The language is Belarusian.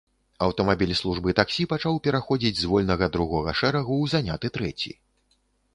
Аўтамабіль службы таксі пачаў пераходзіць з вольнага другога шэрагу ў заняты трэці.